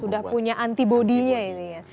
sudah punya antibody nya ini ya